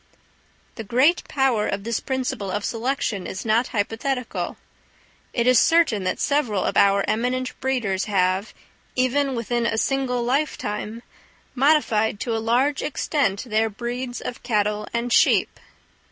The great power of this principle of selection is not hypothetical. It is certain that several of our eminent breeders have, even within a single lifetime, modified to a large extent their breeds of cattle and sheep.